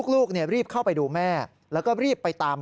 รีบเข้าไปดูแม่แล้วก็รีบไปตาม